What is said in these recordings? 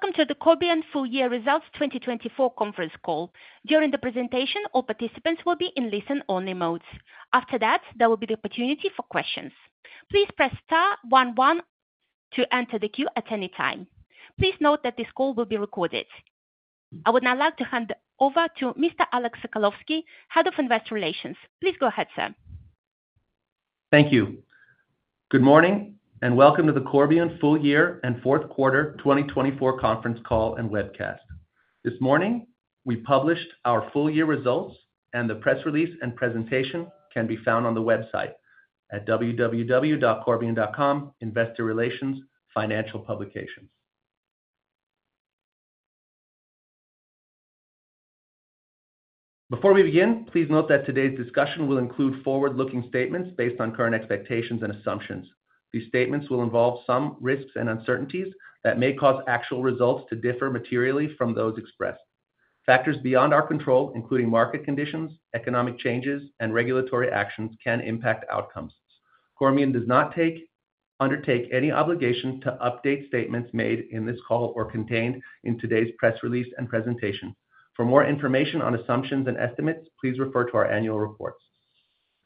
Welcome to the Corbion Full Year Results 2024 Conference Call. During the presentation, all participants will be in listen-only modes. After that, there will be the opportunity for questions. Please press star one one to enter the queue at any time. Please note that this call will be recorded. I would now like to hand over to Mr. Alex Sokolowski, Head of Investor Relations. Please go ahead, sir. Thank you. Good morning and welcome to the Corbion Full Year and Fourth Quarter 2024 Conference Call and Webcast. This morning, we published our full year results, and the press release and presentation can be found on the website at www.corbion.com, Investor Relations, Financial Publications. Before we begin, please note that today's discussion will include forward-looking statements based on current expectations and assumptions. These statements will involve some risks and uncertainties that may cause actual results to differ materially from those expressed. Factors beyond our control, including market conditions, economic changes, and regulatory actions, can impact outcomes. Corbion does not undertake any obligation to update statements made in this call or contained in today's press release and presentation. For more information on assumptions and estimates, please refer to our annual reports.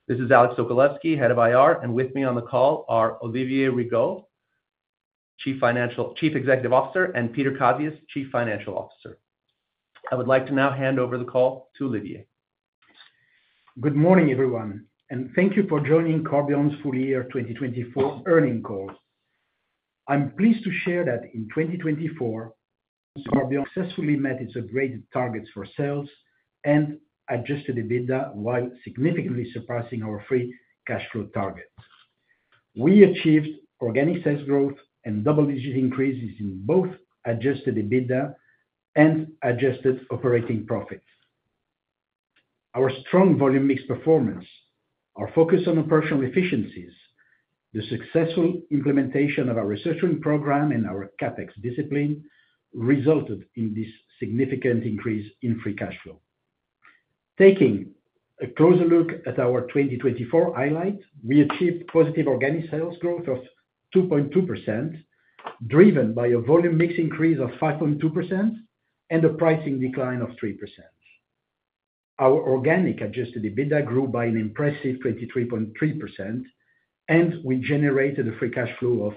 This is Alex Sokolowski, Head of IR, and with me on the call are Olivier Rigaud, Chief Executive Officer, and Peter Kazius, Chief Financial Officer. I would like to now hand over the call to Olivier. Good morning, everyone, and thank you for joining Corbion's Full Year 2024 Earnings Call. I'm pleased to share that in 2024, Corbion successfully met its upgraded targets for sales and Adjusted EBITDA while significantly surpassing our free cash flow target. We achieved organic sales growth and double-digit increases in both Adjusted EBITDA and adjusted operating profits. Our strong volume mix performance, our focus on operational efficiencies, and the successful implementation of our restructuring program and our CapEx discipline resulted in this significant increase in free cash flow. Taking a closer look at our 2024 highlights, we achieved positive organic sales growth of 2.2%, driven by a volume mix increase of 5.2% and a pricing decline of 3%. Our organic adjusted EBITDA grew by an impressive 23.3%, and we generated a free cash flow of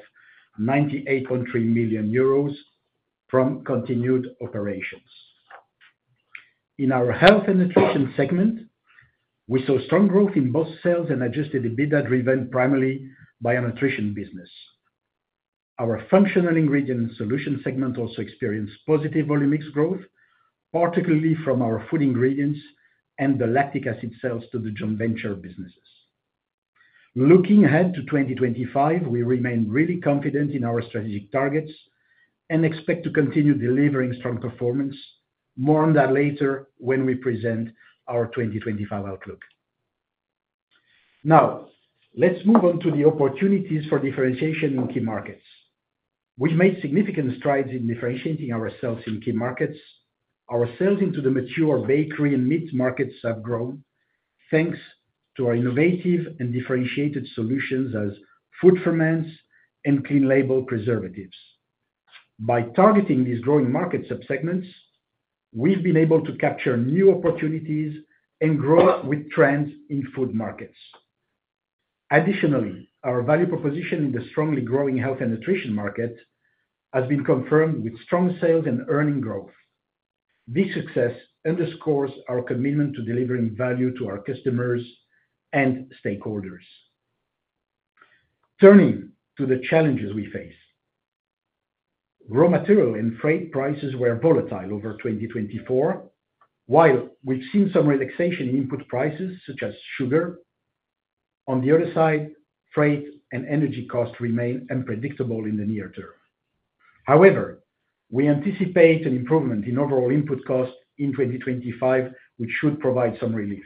98.3 million euros from continuing operations. In our health and nutrition segment, we saw strong growth in both sales and Adjusted EBITDA driven primarily by our nutrition business. Our functional ingredient and solution segment also experienced positive volume mix growth, particularly from our food ingredients and the lactic acid sales to the joint venture businesses. Looking ahead to 2025, we remain really confident in our strategic targets and expect to continue delivering strong performance. More on that later when we present our 2025 outlook. Now, let's move on to the opportunities for differentiation in key markets. We've made significant strides in differentiating ourselves in key markets. Our sales into the mature bakery and meat markets have grown thanks to our innovative and differentiated solutions as food ferments and clean label preservatives. By targeting these growing market subsegments, we've been able to capture new opportunities and grow with trends in food markets. Additionally, our value proposition in the strongly growing health and nutrition market has been confirmed with strong sales and earnings growth. This success underscores our commitment to delivering value to our customers and stakeholders. Turning to the challenges we face, raw material and freight prices were volatile over 2024, while we've seen some relaxation in input prices such as sugar. On the other side, freight and energy costs remain unpredictable in the near term. However, we anticipate an improvement in overall input costs in 2025, which should provide some relief.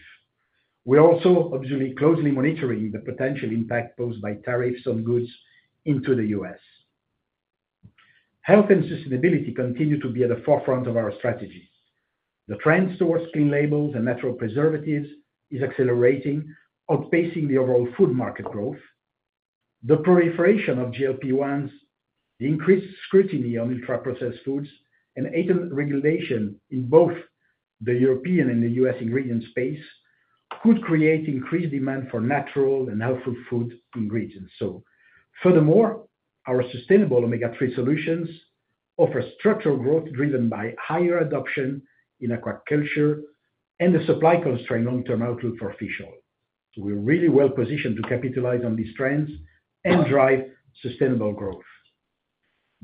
We're also obviously closely monitoring the potential impact posed by tariffs on goods into the U.S. Health and sustainability continue to be at the forefront of our strategy. The trends towards clean labels and natural preservatives are accelerating, outpacing the overall food market growth. The proliferation of GLP-1s, the increased scrutiny on ultra-processed foods, and heightened regulation in both the European and the U.S. ingredient space could create increased demand for natural and healthful food ingredients. Furthermore, our sustainable Omega-3 solutions offer structural growth driven by higher adoption in aquaculture and the supply-constrained long-term outlook for fish oil. We're really well positioned to capitalize on these trends and drive sustainable growth.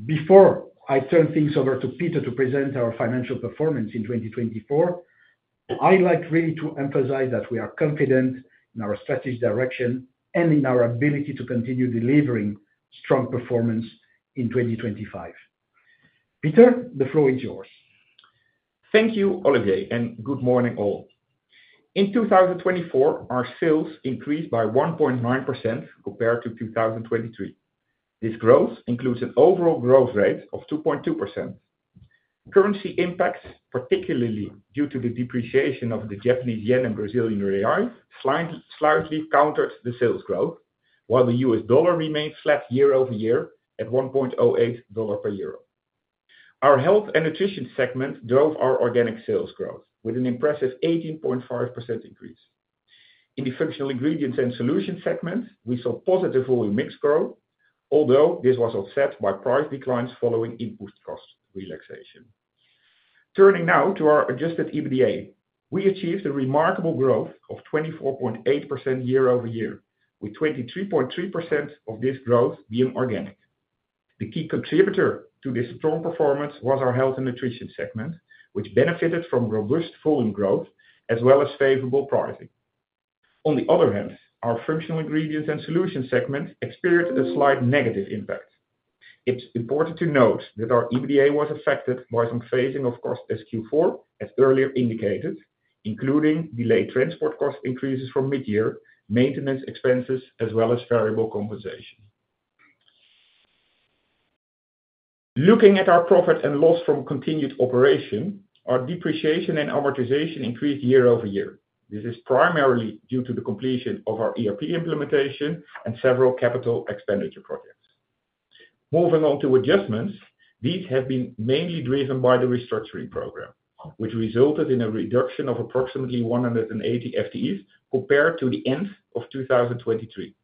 Before I turn things over to Peter to present our financial performance in 2024, I'd like really to emphasize that we are confident in our strategic direction and in our ability to continue delivering strong performance in 2025. Peter, the floor is yours. Thank you, Olivier, and good morning all. In 2024, our sales increased by 1.9% compared to 2023. This growth includes an overall growth rate of 2.2%. Currency impacts, particularly due to the depreciation of the Japanese yen and Brazilian reais, slightly countered the sales growth, while the U.S. dollar remained flat year over year at $1.08 per euro. Our health and nutrition segment drove our organic sales growth with an impressive 18.5% increase. In the functional ingredients and solution segment, we saw positive volume mix growth, although this was offset by price declines following input cost relaxation. Turning now to our Adjusted EBITDA, we achieved a remarkable growth of 24.8% year over year, with 23.3% of this growth being organic. The key contributor to this strong performance was our health and nutrition segment, which benefited from robust volume growth as well as favorable pricing. On the other hand, our functional ingredients and solution segment experienced a slight negative impact. It's important to note that our EBITDA was affected by some phasing of costs Q4, as earlier indicated, including delayed transport cost increases from mid-year, maintenance expenses, as well as variable compensation. Looking at our profit and loss from continuing operations, our depreciation and amortization increased year over year. This is primarily due to the completion of our ERP implementation and several capital expenditure projects. Moving on to adjustments, these have been mainly driven by the restructuring program, which resulted in a reduction of approximately 180 FTEs compared to the end of 2023.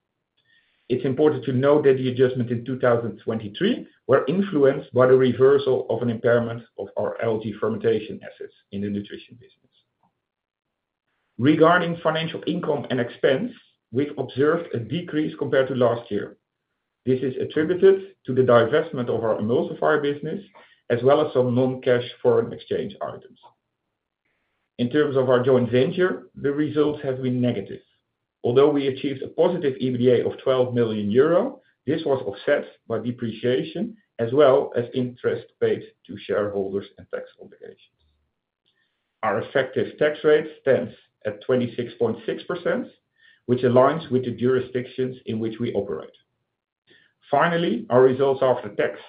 It's important to note that the adjustments in 2023 were influenced by the reversal of an impairment of our algae fermentation assets in the nutrition business. Regarding financial income and expense, we've observed a decrease compared to last year. This is attributed to the divestment of our emulsifier business as well as some non-cash foreign exchange items. In terms of our joint venture, the results have been negative. Although we achieved a positive EBITDA of 12 million euro, this was offset by depreciation as well as interest paid to shareholders and tax obligations. Our effective tax rate stands at 26.6%, which aligns with the jurisdictions in which we operate. Finally, our results after tax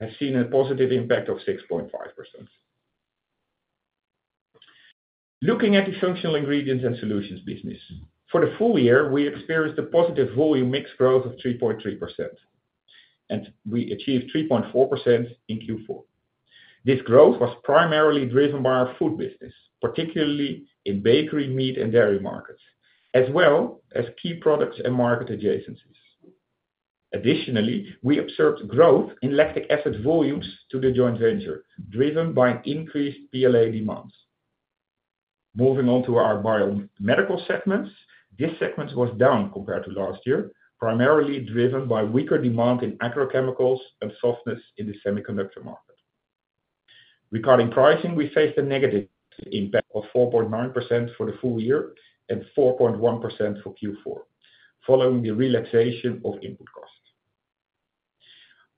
have seen a positive impact of 6.5%. Looking at the functional ingredients and solutions business, for the full year, we experienced a positive volume mix growth of 3.3%, and we achieved 3.4% in Q4. This growth was primarily driven by our food business, particularly in bakery, meat, and dairy markets, as well as key products and market adjacencies. Additionally, we observed growth in lactic acid volumes to the joint venture, driven by increased PLA demands. Moving on to our biomedical segments, this segment was down compared to last year, primarily driven by weaker demand in agrochemicals and softness in the semiconductor market. Regarding pricing, we faced a negative impact of 4.9% for the full year and 4.1% for Q4, following the relaxation of input costs.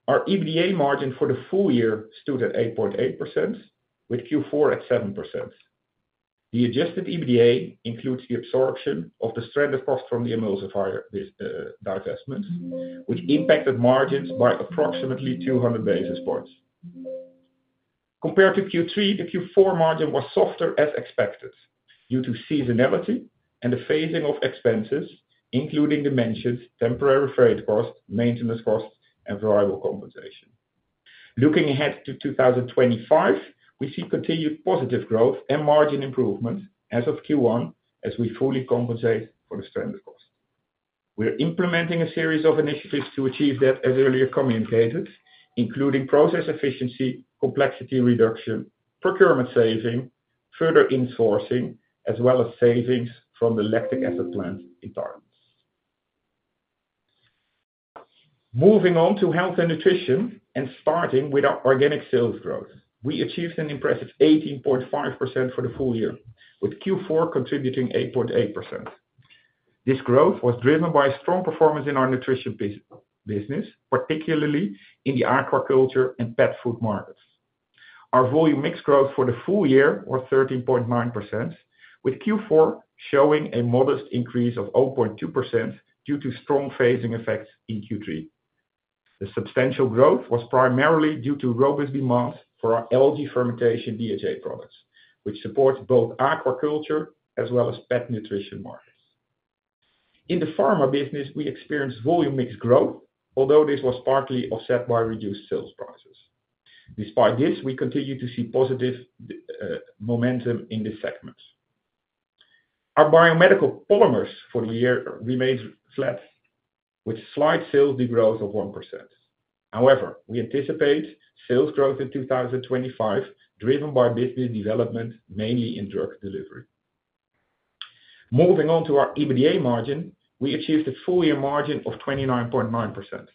Our EBITDA margin for the full year stood at 8.8%, with Q4 at 7%. The Adjusted EBITDA includes the absorption of the stranded cost from the emulsifier divestments, which impacted margins by approximately 200 basis points. Compared to Q3, the Q4 margin was softer as expected due to seasonality and the phasing of expenses, including the mentioned temporary freight cost, maintenance costs, and variable compensation. Looking ahead to 2025, we see continued positive growth and margin improvements as of Q1, as we fully compensate for the stranded cost. We're implementing a series of initiatives to achieve that, as earlier communicated, including process efficiency, complexity reduction, procurement saving, further insourcing, as well as savings from the lactic acid plant in Thailand. Moving on to health and nutrition and starting with our organic sales growth, we achieved an impressive 18.5% for the full year, with Q4 contributing 8.8%. This growth was driven by strong performance in our nutrition business, particularly in the aquaculture and pet food markets. Our volume mix growth for the full year was 13.9%, with Q4 showing a modest increase of 0.2% due to strong phasing effects in Q3. The substantial growth was primarily due to robust demands for our algae fermentation DHA products, which supports both aquaculture as well as pet nutrition markets. In the pharma business, we experienced volume mix growth, although this was partly offset by reduced sales prices. Despite this, we continue to see positive momentum in this segment. Our biomedical polymers for the year remained flat, with slight sales degrowth of 1%. However, we anticipate sales growth in 2025, driven by business development mainly in drug delivery. Moving on to our EBITDA margin, we achieved a full-year margin of 29.9%.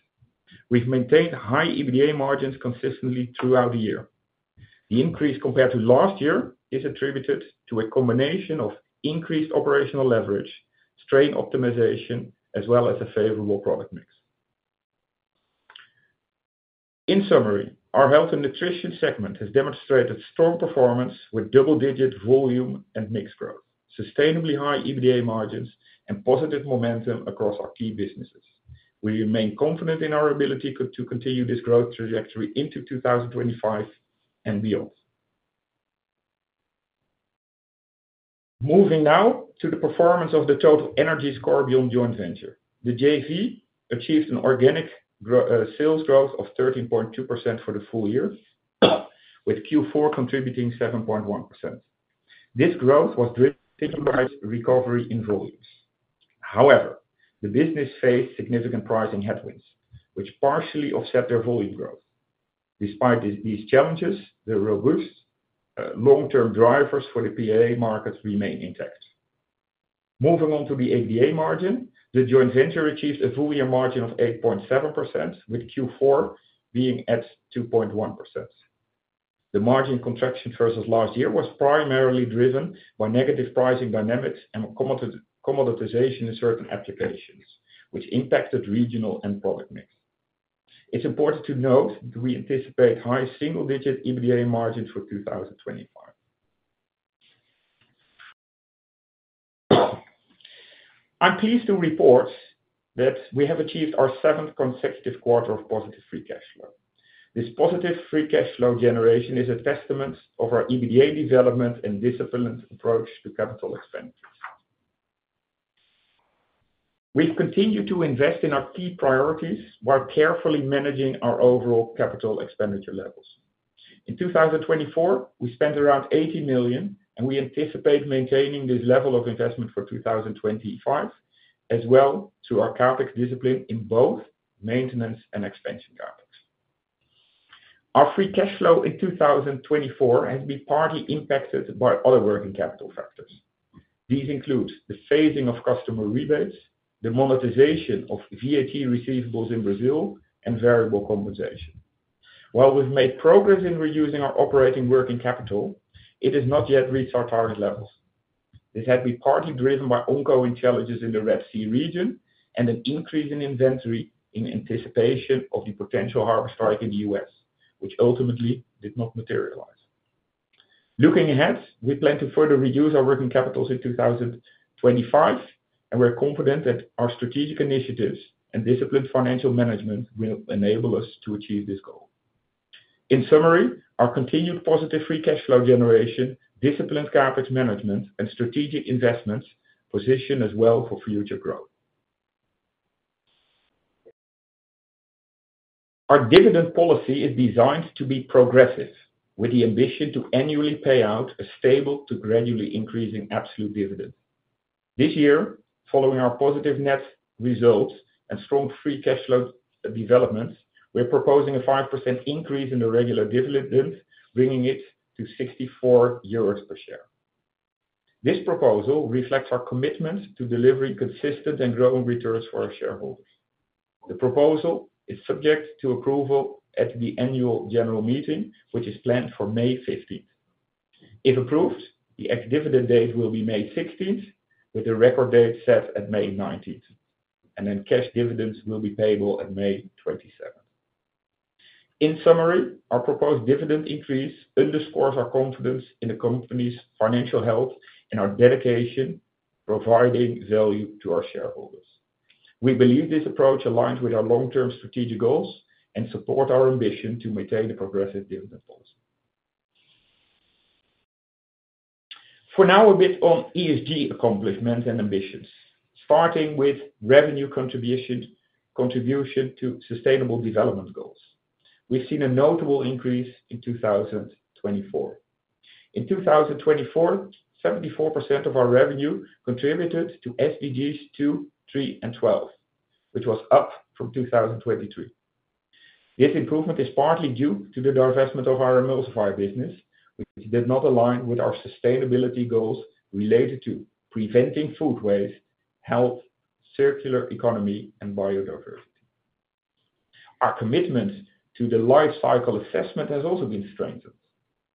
We've maintained high EBITDA margins consistently throughout the year. The increase compared to last year is attributed to a combination of increased operational leverage, strain optimization, as well as a favorable product mix. In summary, our health and nutrition segment has demonstrated strong performance with double-digit volume and mix growth, sustainably high EBITDA margins, and positive momentum across our key businesses. We remain confident in our ability to continue this growth trajectory into 2025 and beyond. Moving now to the performance of the TotalEnergies Corbion joint venture. The JV achieved an organic sales growth of 13.2% for the full year, with Q4 contributing 7.1%. This growth was driven by recovery in volumes. However, the business faced significant pricing headwinds, which partially offset their volume growth. Despite these challenges, the robust long-term drivers for the PLA markets remain intact. Moving on to the EBITDA margin, the joint venture achieved a full-year margin of 8.7%, with Q4 being at 2.1%. The margin contraction versus last year was primarily driven by negative pricing dynamics and commoditization in certain applications, which impacted regional and product mix. It's important to note that we anticipate high single-digit EBITDA margins for 2025. I'm pleased to report that we have achieved our seventh consecutive quarter of positive free cash flow. This positive free cash flow generation is a testament of our EBITDA development and disciplined approach to capital expenditures. We've continued to invest in our key priorities while carefully managing our overall capital expenditure levels. In 2024, we spent around 80 million, and we anticipate maintaining this level of investment for 2025, as well as through our CapEx discipline in both maintenance and expansion CapEx. Our free cash flow in 2024 has been partly impacted by other working capital factors. These include the phasing of customer rebates, the monetization of VAT receivables in Brazil, and variable compensation. While we've made progress in reducing our operating working capital, it has not yet reached our target levels. This had been partly driven by ongoing challenges in the Red Sea region and an increase in inventory in anticipation of the potential harbor strike in the U.S., which ultimately did not materialize. Looking ahead, we plan to further reduce our working capitals in 2025, and we're confident that our strategic initiatives and disciplined financial management will enable us to achieve this goal. In summary, our continued positive free cash flow generation, disciplined CapEx management, and strategic investments position us well for future growth. Our dividend policy is designed to be progressive, with the ambition to annually pay out a stable to gradually increasing absolute dividend. This year, following our positive net results and strong free cash flow developments, we're proposing a 5% increase in the regular dividend, bringing it to 64 euros per share. This proposal reflects our commitment to delivering consistent and growing returns for our shareholders. The proposal is subject to approval at the annual general meeting, which is planned for May 15th. If approved, the ex-dividend date will be May 16th, with the record date set at May 19th, and then cash dividends will be payable at May 27th. In summary, our proposed dividend increase underscores our confidence in the company's financial health and our dedication to providing value to our shareholders. We believe this approach aligns with our long-term strategic goals and supports our ambition to maintain a progressive dividend policy. For now, a bit on ESG accomplishments and ambitions, starting with revenue contribution to sustainable development goals. We've seen a notable increase in 2024. In 2024, 74% of our revenue contributed to SDGs 2, 3, and 12, which was up from 2023. This improvement is partly due to the divestment of our emulsifier business, which did not align with our sustainability goals related to preventing food waste, health, circular economy, and biodiversity. Our commitment to the Life Cycle Assessment has also been strengthened.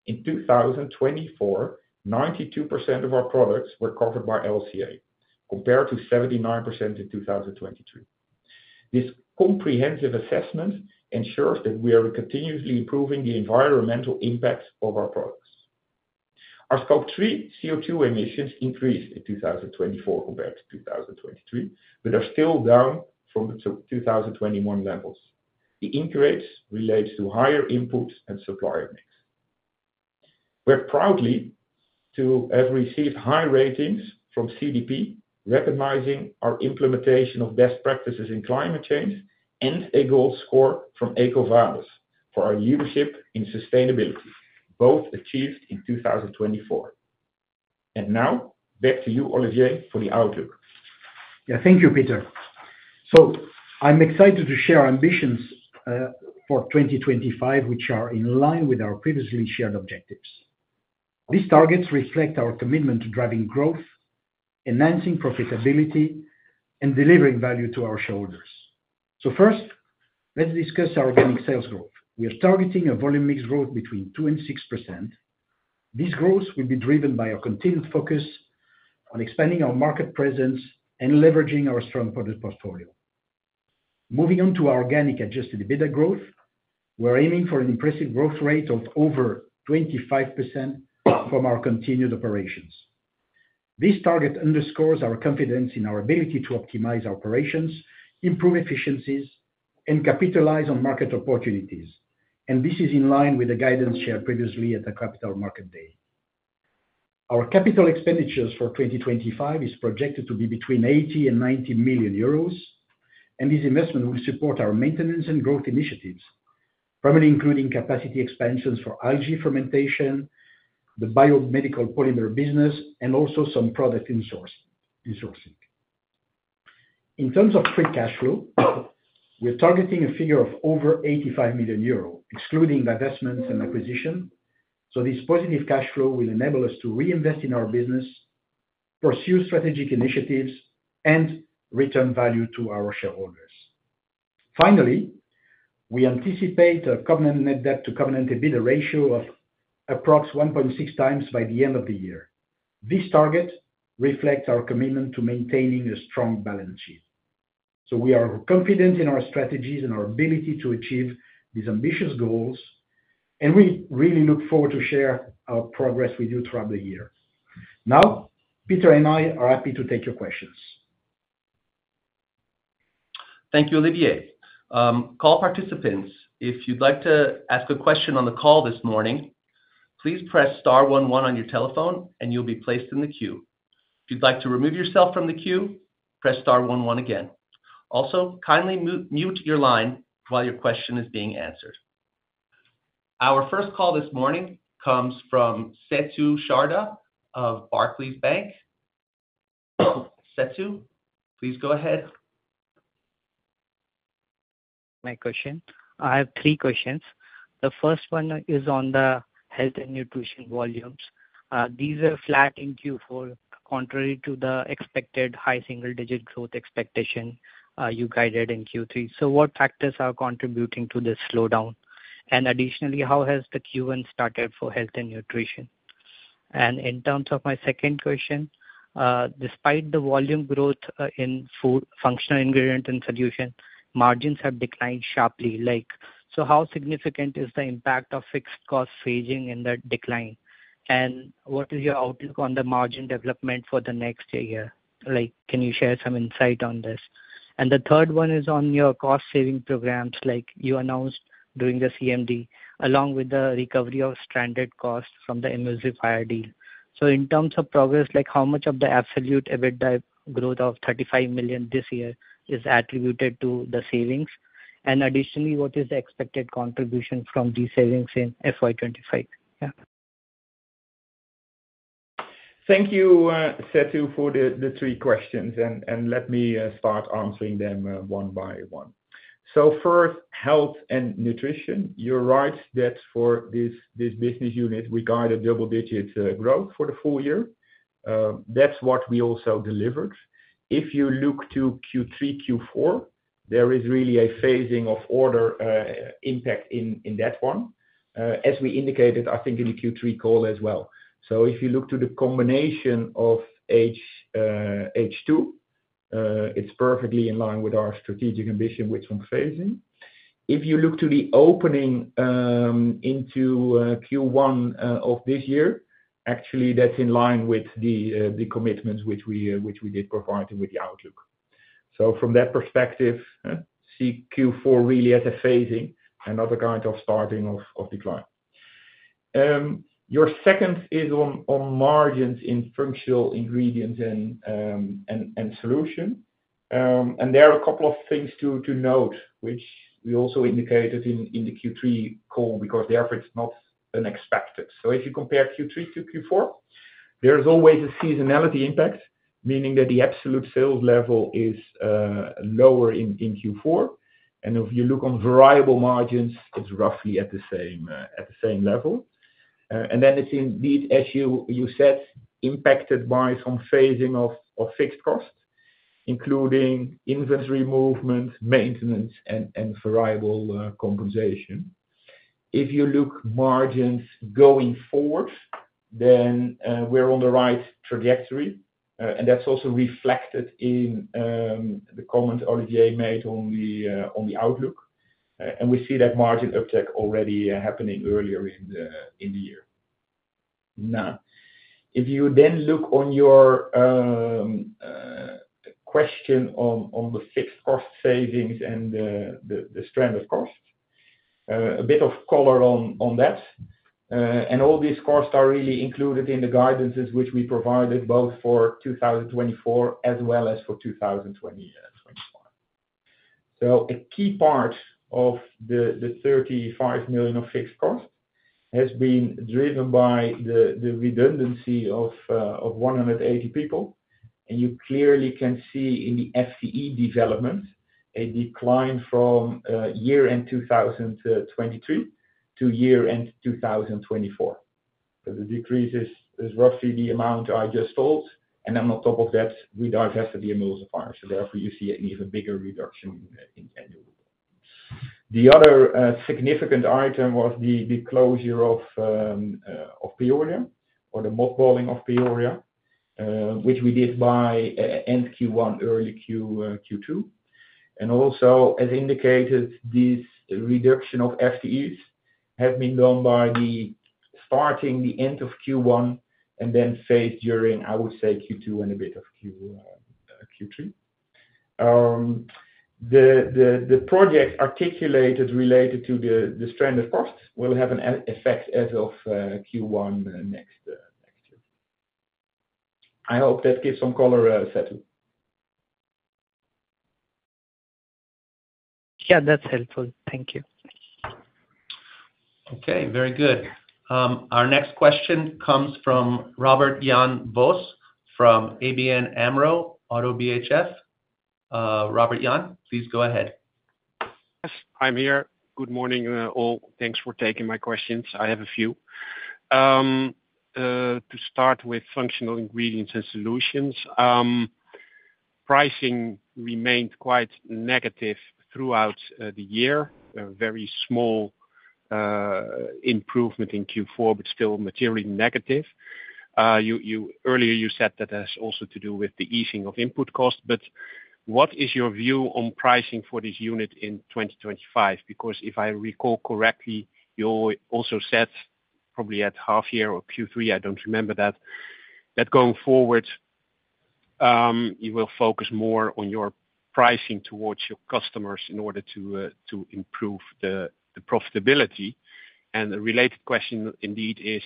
In 2024, 92% of our products were covered by LCA, compared to 79% in 2023. This comprehensive assessment ensures that we are continuously improving the environmental impact of our products. Our Scope 3 CO2 emissions increased in 2024 compared to 2023, but are still down from the 2021 levels. The increase relates to higher input and supplier mix. We're proud to have received high ratings from CDP, recognizing our implementation of best practices in climate change, and a gold score from EcoVadis for our leadership in sustainability, both achieved in 2024. And now, back to you, Olivier, for the outlook. Yeah, thank you, Peter. So I'm excited to share our ambitions for 2025, which are in line with our previously shared objectives. These targets reflect our commitment to driving growth, enhancing profitability, and delivering value to our shareholders. So first, let's discuss our organic sales growth. We are targeting a volume mix growth between 2% and 6%. This growth will be driven by our continued focus on expanding our market presence and leveraging our strong product portfolio. Moving on to our organic adjusted EBITDA growth, we're aiming for an impressive growth rate of over 25% from our continued operations. This target underscores our confidence in our ability to optimize operations, improve efficiencies, and capitalize on market opportunities. And this is in line with the guidance shared previously at the Capital Market Day. Our capital expenditures for 2025 are projected to be between 80 million and 90 million, and this investment will support our maintenance and growth initiatives, primarily including capacity expansions for algae fermentation, the biomedical polymer business, and also some product insourcing. In terms of free cash flow, we're targeting a figure of over 85 million euros, excluding divestments and acquisitions. So this positive cash flow will enable us to reinvest in our business, pursue strategic initiatives, and return value to our shareholders. Finally, we anticipate a Covenant Net Debt to Covenant EBITDA ratio of approximately 1.6x by the end of the year. This target reflects our commitment to maintaining a strong balance sheet. So we are confident in our strategies and our ability to achieve these ambitious goals, and we really look forward to sharing our progress with you throughout the year. Now, Peter and I are happy to take your questions. Thank you, Olivier. Call participants, if you'd like to ask a question on the call this morning, please press star one one on your telephone, and you'll be placed in the queue. If you'd like to remove yourself from the queue, press star one one again. Also, kindly mute your line while your question is being answered. Our first call this morning comes from Setu Sharda of Barclays Bank. Setu, please go ahead. My question. I have three questions. The first one is on the health and nutrition volumes. These are flat in Q4, contrary to the expected high single-digit growth expectation you guided in Q3. So what factors are contributing to this slowdown? And additionally, how has the Q1 started for health and nutrition? And in terms of my second question, despite the volume growth in functional ingredient and solution, margins have declined sharply. So how significant is the impact of fixed cost phasing in that decline? And what is your outlook on the margin development for the next year? Can you share some insight on this? And the third one is on your cost-saving programs, like you announced during the CMD, along with the recovery of stranded costs from the emulsifier deal. So in terms of progress, how much of the absolute EBITDA growth of 35 million this year is attributed to the savings? And additionally, what is the expected contribution from these savings in FY 2025? Yeah. Thank you, Setu, for the three questions, and let me start answering them one by one. So first, health and nutrition. You're right that for this business unit, we guided double-digit growth for the full year. That's what we also delivered. If you look to Q3, Q4, there is really a phasing of order impact in that one, as we indicated, I think, in the Q3 call as well. So if you look to the combination of H2, it's perfectly in line with our strategic ambition, which is phasing. If you look to the opening into Q1 of this year, actually, that's in line with the commitments which we did provide with the outlook. So from that perspective, see Q4 really as a phasing and not a kind of starting of decline. Your second is on margins in functional ingredients and solution. And there are a couple of things to note, which we also indicated in the Q3 call because therefore it's not unexpected. So if you compare Q3 to Q4, there's always a seasonality impact, meaning that the absolute sales level is lower in Q4. And if you look on variable margins, it's roughly at the same level. And then it's indeed, as you said, impacted by some phasing of fixed costs, including inventory movement, maintenance, and variable compensation. If you look at margins going forward, then we're on the right trajectory. That's also reflected in the comment Olivier made on the outlook. We see that margin uptake already happening earlier in the year. Now, if you then look at your question on the fixed cost savings and the stranded costs, a bit of color on that. All these costs are really included in the guidances which we provided both for 2024 as well as for 2025. A key part of the 35 million of fixed cost has been driven by the redundancy of 180 people. You clearly can see in the FTE development a decline from year-end 2023 to year-end 2024. The decrease is roughly the amount I just told. On top of that, we divested the emulsifiers. Therefore, you see an even bigger reduction in annual. The other significant item was the closure of Peoria, or the mothballing of Peoria, which we did by end Q1, early Q2, and also, as indicated, this reduction of FTEs has been done by starting the end of Q1 and then phased during, I would say, Q2 and a bit of Q3. The project articulated related to the stranded costs will have an effect as of Q1 next year. I hope that gives some color, Setu. Yeah, that's helpful. Thank you. Okay, very good. Our next question comes from Robert Jan Vos from ABN AMRO ODDO BHF. Robert Jan, please go ahead. Yes, I'm here. Good morning all. Thanks for taking my questions. I have a few. To start with functional ingredients and solutions, pricing remained quite negative throughout the year. Very small improvement in Q4, but still materially negative. Earlier, you said that has also to do with the easing of input costs. But what is your view on pricing for this unit in 2025? Because if I recall correctly, you also said probably at half year or Q3, I don't remember that, that going forward, you will focus more on your pricing towards your customers in order to improve the profitability. And a related question indeed is,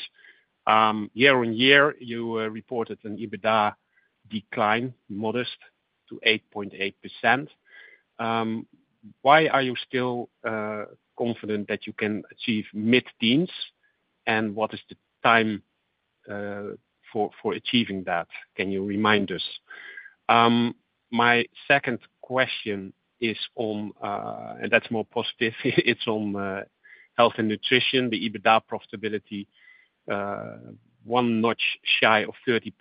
year-on-year, you reported an EBITDA decline modest to 8.8%. Why are you still confident that you can achieve mid-teens? And what is the time for achieving that? Can you remind us? My second question is on, and that's more positive, it's on health and nutrition, the EBITDA profitability, one notch shy of 30%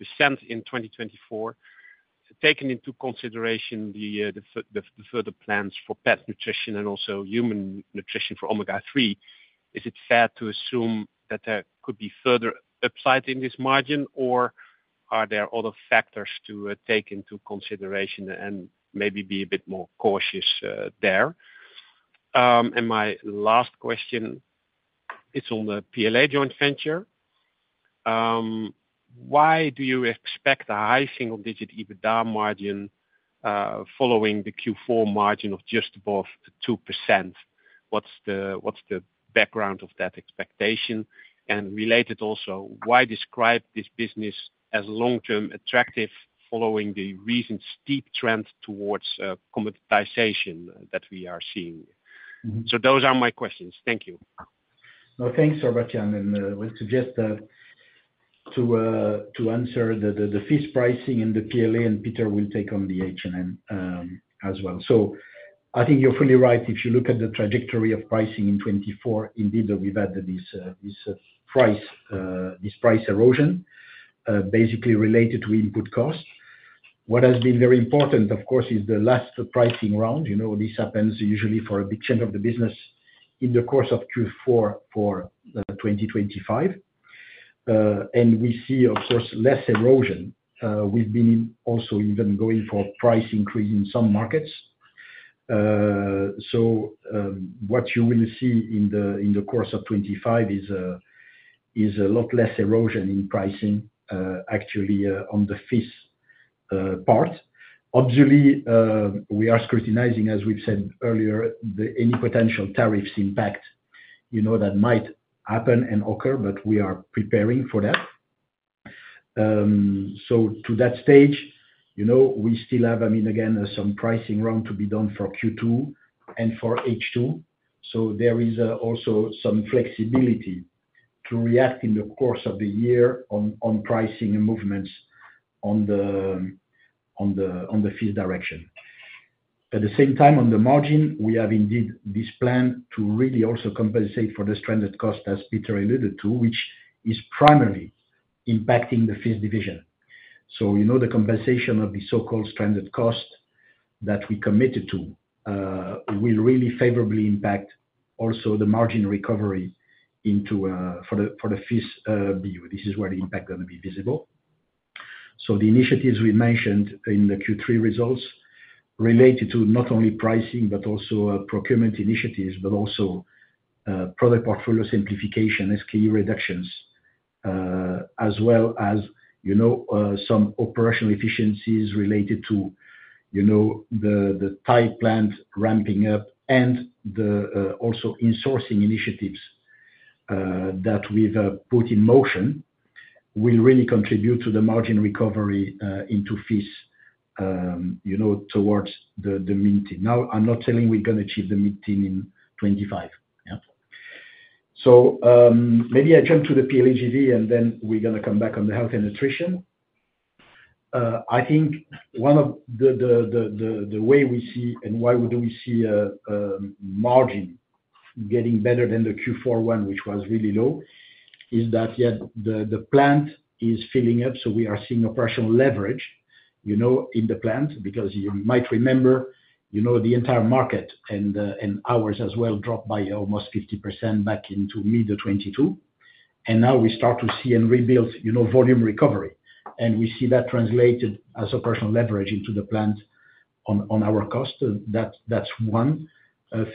in 2024. Taking into consideration the further plans for pet nutrition and also human nutrition for Omega-3, is it fair to assume that there could be further upside in this margin, or are there other factors to take into consideration and maybe be a bit more cautious there? And my last question is on the PLA joint venture. Why do you expect a high single-digit EBITDA margin following the Q4 margin of just above 2%? What's the background of that expectation? And related also, why describe this business as long-term attractive following the recent steep trend towards commoditization that we are seeing? So those are my questions. Thank you. Now, thanks, Robert Jan. And I would suggest that to answer the first question on the PLA, and Peter will take on the H&N as well. So I think you're fully right. If you look at the trajectory of pricing in 2024, indeed, we've had this price erosion, basically related to input cost. What has been very important, of course, is the last pricing round. This happens usually for a big change of the business in the course of Q4 for 2025, and we see, of course, less erosion. We've been also even going for price increase in some markets. So what you will see in the course of 2025 is a lot less erosion in pricing, actually, on the fixed part. Obviously, we are scrutinizing, as we've said earlier, any potential tariffs impact that might happen and occur, but we are preparing for that. So to that stage, we still have, I mean, again, some pricing round to be done for Q2 and for H2. So there is also some flexibility to react in the course of the year on pricing and movements on the Ingredients direction. At the same time, on the margin, we have indeed this plan to really also compensate for the stranded cost, as Peter alluded to, which is primarily impacting the Ingredients division. So the compensation of the so-called stranded cost that we committed to will really favorably impact also the margin recovery for the FIS BU. This is where the impact is going to be visible. So the initiatives we mentioned in the Q3 results related to not only pricing, but also procurement initiatives, but also product portfolio simplification, SKU reductions, as well as some operational efficiencies related to the Thailand plant ramping up and also insourcing initiatives that we've put in motion will really contribute to the margin recovery into Ingredients towards the mid-teen. Now, I'm not saying we're going to achieve the mid-teens in 2025. So maybe I jump to the PLA JV, and then we're going to come back on the health and nutrition. I think one of the ways we see and why we see margin getting better than the Q4 one, which was really low, is that the plant is filling up. So we are seeing operational leverage in the plant because you might remember the entire market and ours as well dropped by almost 50% back into mid-2022. And now we start to see and rebuild volume recovery. And we see that translated as operational leverage into the plant on our costs. That's one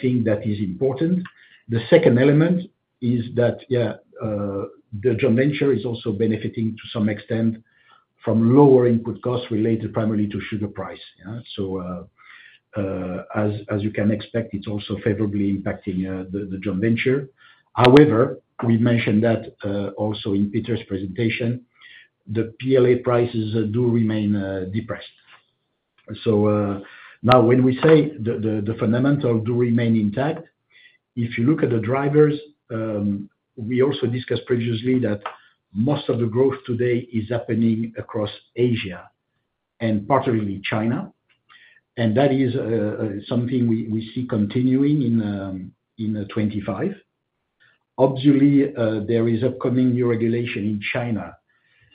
thing that is important. The second element is that, yeah, the joint venture is also benefiting to some extent from lower input costs related primarily to sugar price. So as you can expect, it's also favorably impacting the joint venture. However, we mentioned that also in Peter's presentation, the PLA prices do remain depressed. So now when we say the fundamentals do remain intact, if you look at the drivers, we also discussed previously that most of the growth today is happening across Asia and partly in China. And that is something we see continuing in 2025. Obviously, there is upcoming new regulation in China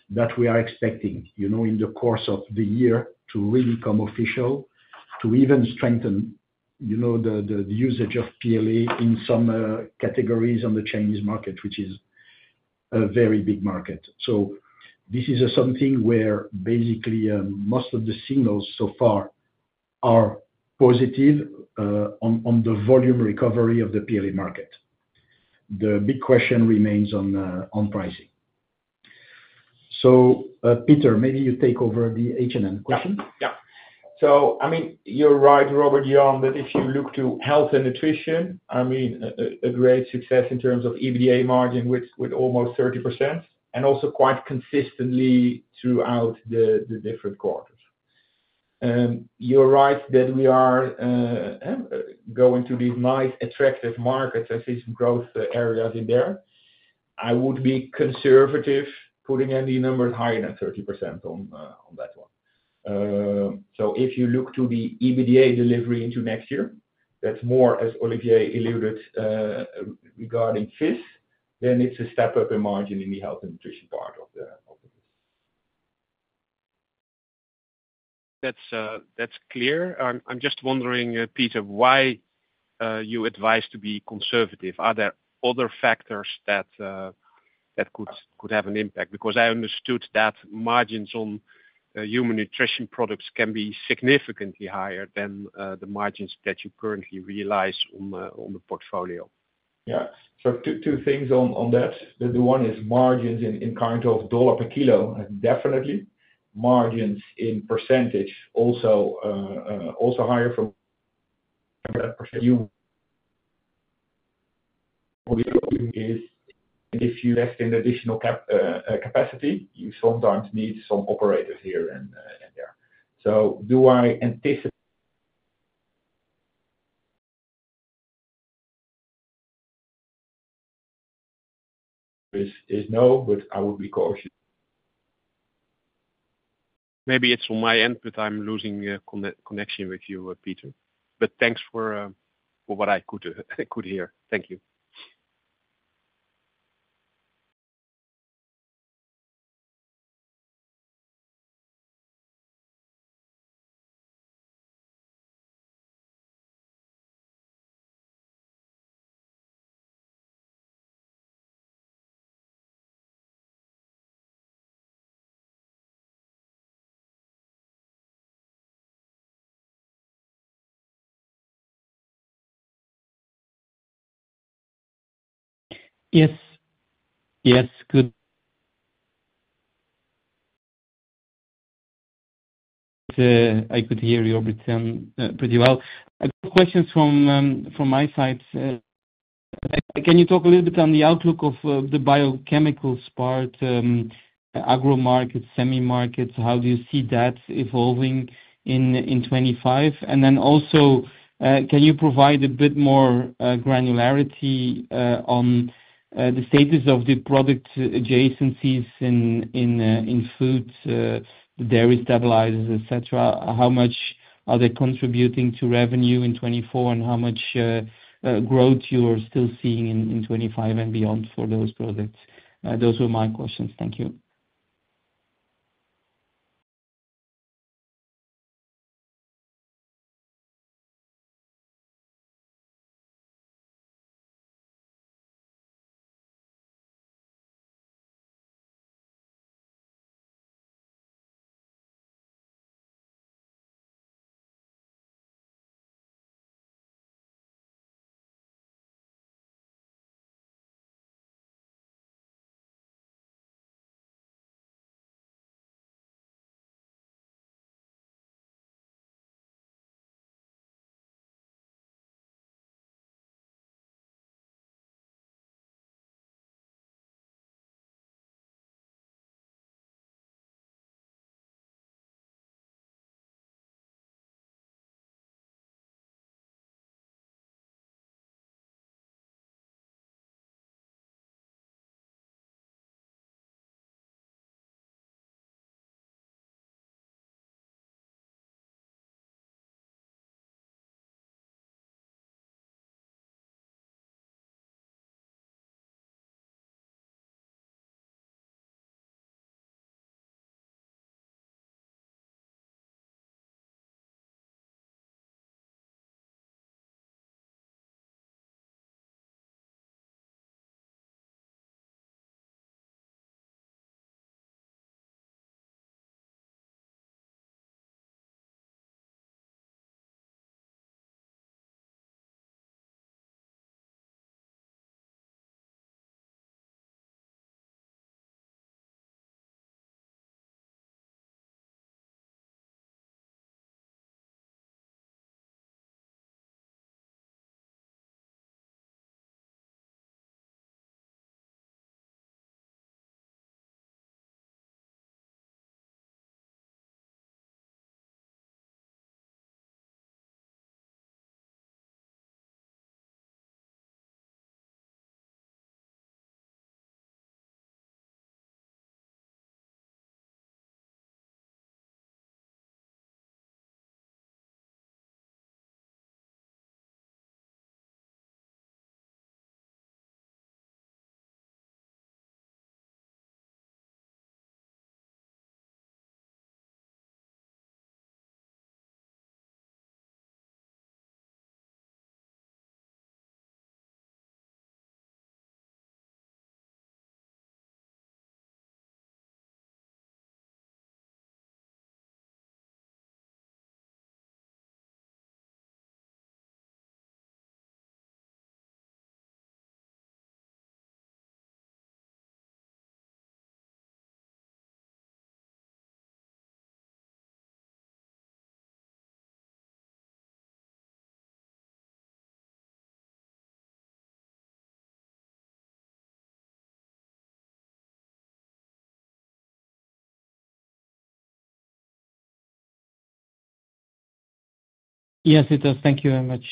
that we are expecting in the course of the year to really come official to even strengthen the usage of PLA in some categories on the Chinese market, which is a very big market. So this is something where basically most of the signals so far are positive on the volume recovery of the PLA market. The big question remains on pricing. So Peter, maybe you take over the H&N question. Yeah. So I mean, you're right, Robert Jan, that if you look to health and nutrition, I mean, a great success in terms of EBITDA margin with almost 30% and also quite consistently throughout the different quarters. You're right that we are going to these nice attractive markets as these growth areas in there. I would be conservative putting any numbers higher than 30% on that one. So if you look to the EBITDA delivery into next year, that's more, as Olivier alluded regarding fixed, then it's a step up in margin in the health and nutrition part of the fixed. That's clear. I'm just wondering, Peter, why you advise to be conservative? Are there other factors that could have an impact? Because I understood that margins on human nutrition products can be significantly higher than the margins that you currently realize on the portfolio. Yeah. So two things on that. The one is margins in kind of dollar per kilo, definitely. Margins in percentage also higher for human. If you invest in additional capacity, you sometimes need some operators here and there. So do I anticipate? It's no, but I would be cautious. Maybe it's on my end, but I'm losing connection with you, Peter. But thanks for what I could hear. Thank you. Yes. Yes. Good. I could hear you, Tim, pretty well. Questions from my side. Can you talk a little bit on the outlook of the biochemicals part, agro markets, semi markets? How do you see that evolving in 2025? And then also, can you provide a bit more granularity on the status of the product adjacencies in foods, the dairy stabilizers, etc.? How much are they contributing to revenue in 2024, and how much growth you are still seeing in 2025 and beyond for those products? Those were my questions. Thank you. Yes, it does. Thank you very much.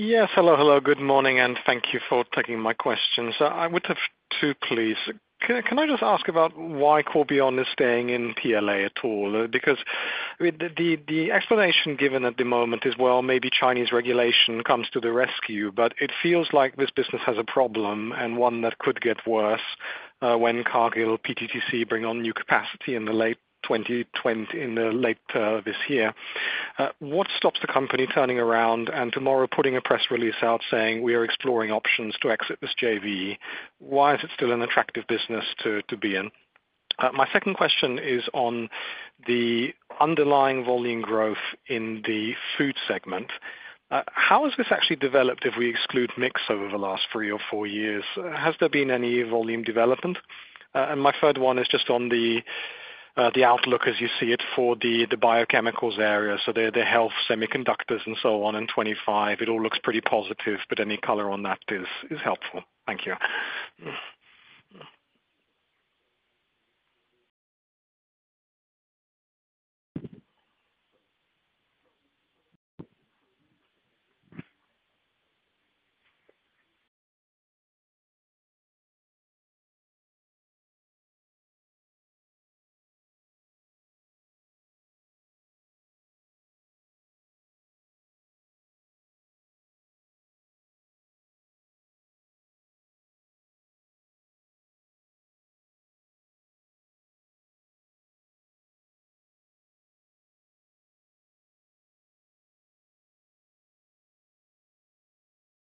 Yes. Hello, hello. Good morning, and thank you for taking my questions. I would have two please. Can I just ask about why Corbion is staying in PLA at all? Because the explanation given at the moment is, well, maybe Chinese regulation comes to the rescue, but it feels like this business has a problem and one that could get worse when Cargill, PTT bring on new capacity in the late 2020, in the later this year. What stops the company turning around and tomorrow putting a press release out saying, "We are exploring options to exit this JV"? Why is it still an attractive business to be in? My second question is on the underlying volume growth in the food segment. How has this actually developed if we exclude mix over the last three or four years? Has there been any volume development? And my third one is just on the outlook as you see it for the biochemicals area. So the health, semiconductors, and so on in 2025. It all looks pretty positive, but any color on that is helpful. Thank you.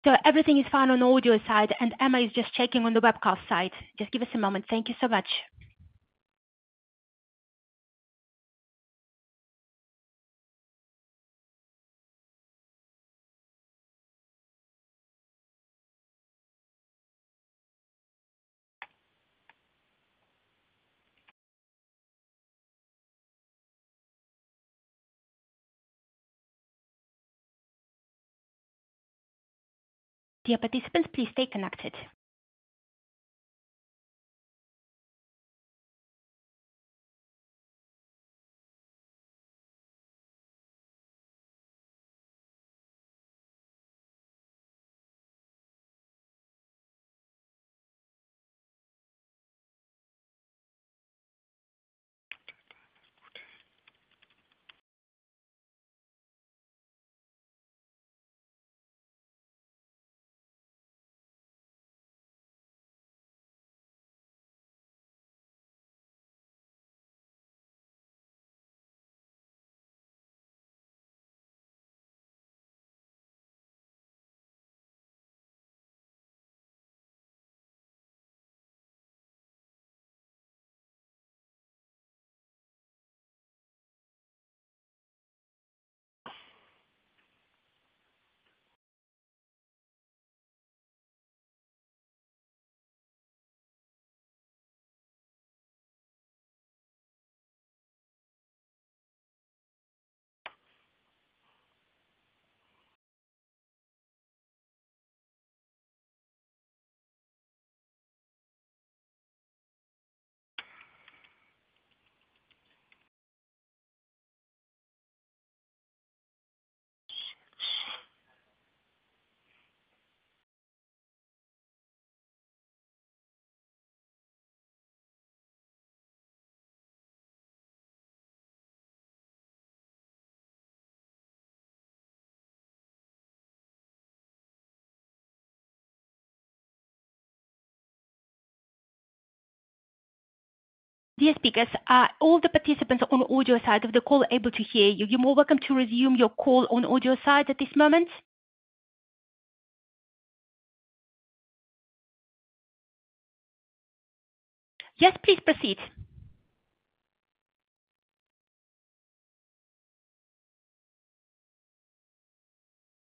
So everything is fine on the audio side, and Emma is just checking on the webcast side. Just give us a moment. Thank you so much. Dear participants, please stay connected. Yes, Peter. Are all the participants on the audio side of the call able to hear you? You're more welcome to resume your call on audio side at this moment. Yes, please proceed.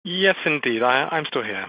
Yes, indeed. I'm still here.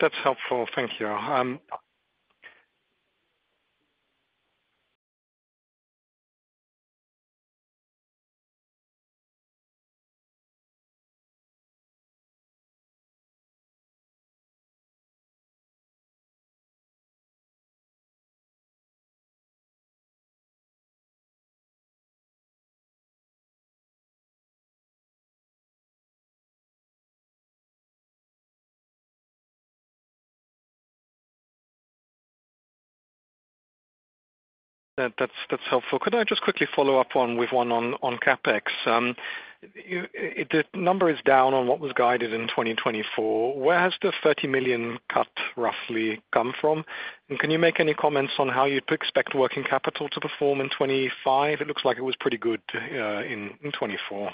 That's helpful. Thank you. That's helpful. Could I just quickly follow up with one on CapEx? The number is down on what was guided in 2024. Where has the 30 million cut roughly come from? And can you make any comments on how you'd expect working capital to perform in 2025? It looks like it was pretty good in 2024.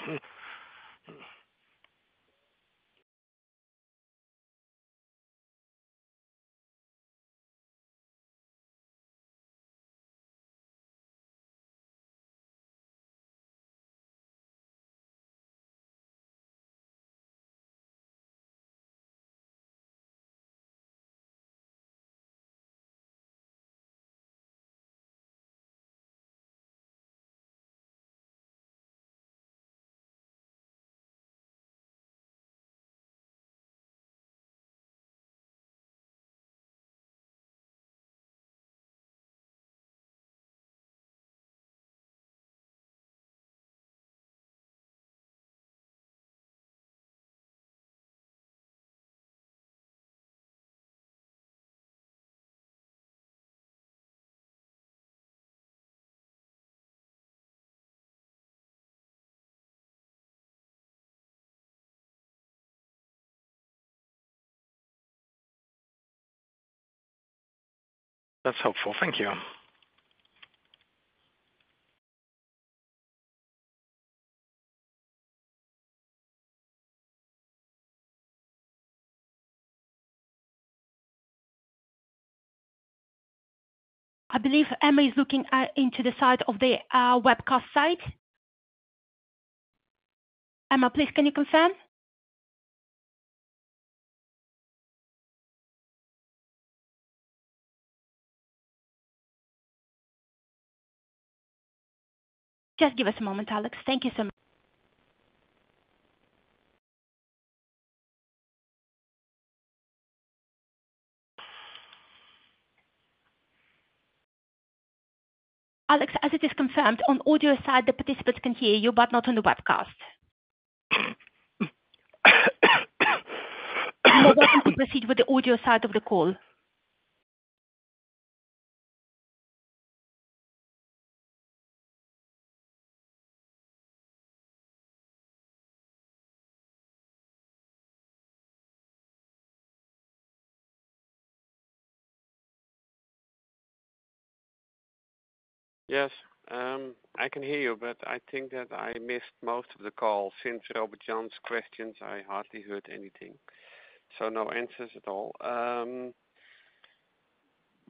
That's helpful. Thank you. I believe Emma is looking into the side of the webcast side. Emma, please, can you confirm? Just give us a moment, Alex. Thank you so much. Alex, as it is confirmed, on audio side, the participants can hear you, but not on the webcast. We're going to proceed with the audio side of the call. Yes. I can hear you, but I think that I missed most of the call. Since Robert Jan's questions, I hardly heard anything. So no answers at all.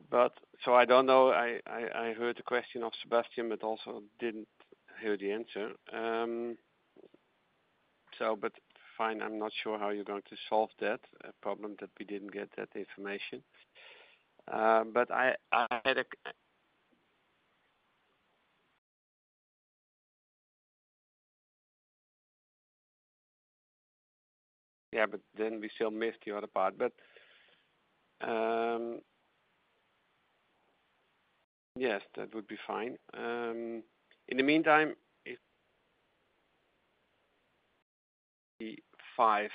But so I don't know. I heard the question of Sebastian, but also didn't hear the answer. But fine, I'm not sure how you're going to solve that problem that we didn't get that information. But I had a—yeah, but then we still missed the other part. But yes, that would be fine. In the meantime, 2025,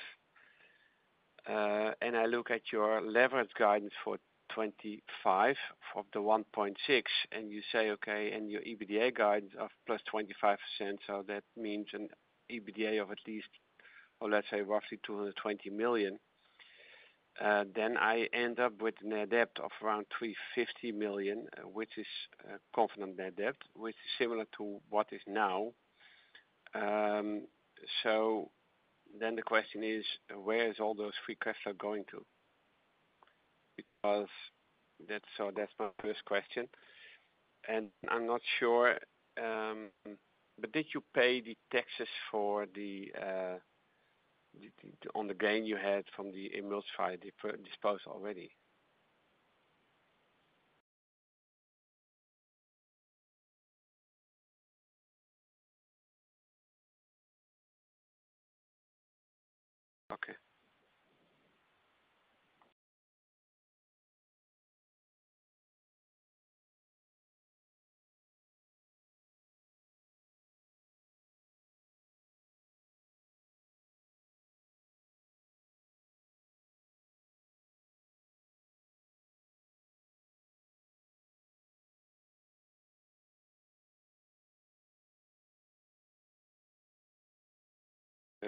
and I look at your leverage guidance for 2025 of 1.6, and you say, "Okay," and your EBITDA guidance of plus 25%, so that means an EBITDA of at least, or let's say roughly 220 million. Then I end up with a net debt of around 350 million, which is covenant net debt, which is similar to what is now. So then the question is, where is all those free cash flow going to? Because that's my first question. And I'm not sure, but did you pay the taxes for the—on the gain you had from the emulsifiers unit disposal already? Okay.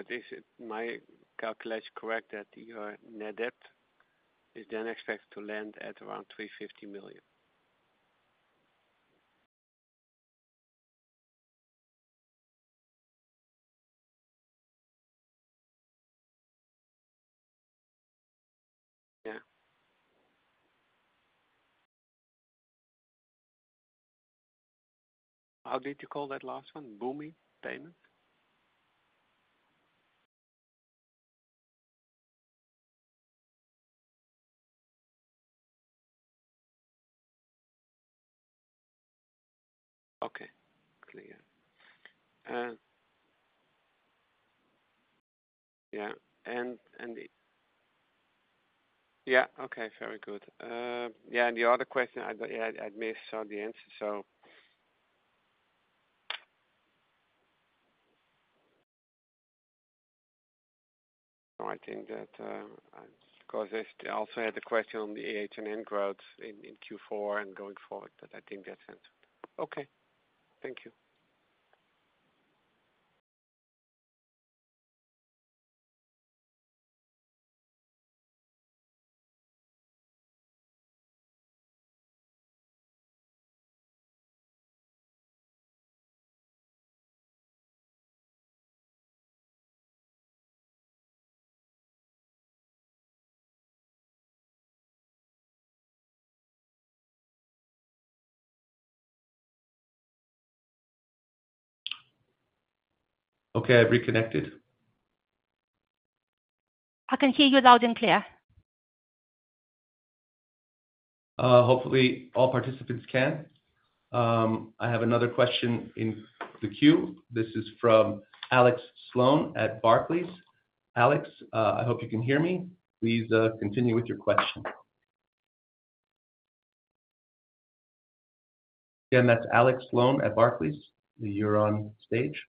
That is it. my calculation correct that your net debt is then expected to land at around 350 million? Yeah. How did you call that last one? Booming payment? Okay. Clear. Yeah. And yeah. Okay. Very good. Yeah. And the other question, I missed the answer, so. So I think that because I also had the question on the H&N growth in Q4 and going forward, but I think that's it. Okay. Thank you. Okay. I've reconnected. I can hear you loud and clear. Hopefully, all participants can. I have another question in the queue. This is from Alex Sloane at Barclays. Alex, I hope you can hear me. Please continue with your question. Again, that's Alex Sloane at Barclays. You're on stage.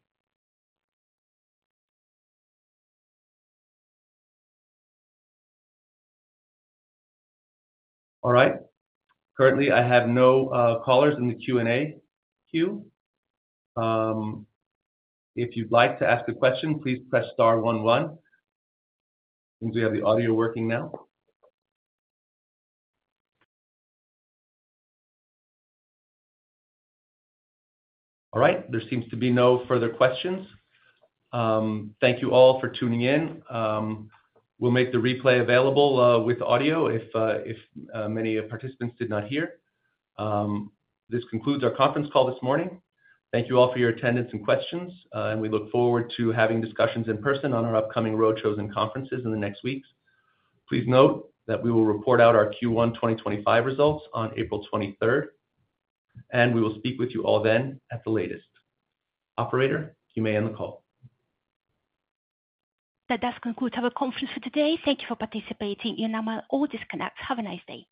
All right. Currently, I have no callers in the Q&A queue. If you'd like to ask a question, please press star one one. I think we have the audio working now. All right. There seems to be no further questions. Thank you all for tuning in. We'll make the replay available with audio if many participants did not hear. This concludes our conference call this morning. Thank you all for your attendance and questions, and we look forward to having discussions in person on our upcoming roadshows and conferences in the next weeks. Please note that we will report out our Q1 2025 results on April 23rd, and we will speak with you all then at the latest. Operator, you may end the call. That does conclude our conference for today. Thank you for participating. You're now on audio disconnect. Have a nice day.